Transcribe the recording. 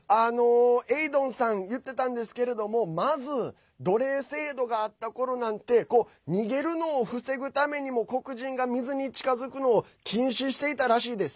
エイドンさんが言っていたんですけどもまず奴隷制度があったころなんて逃げるのを防ぐためにも黒人が水に近づくのを禁止していたらしいです。